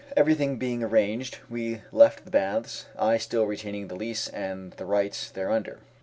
Everything being arranged we left the baths, I still retaining the lease and the rights thereunder.